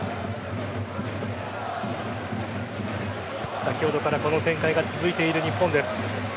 先ほどからこの展開が続いている日本です。